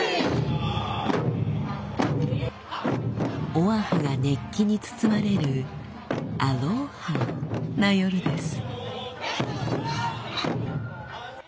オアフが熱気に包まれるアロハな夜です。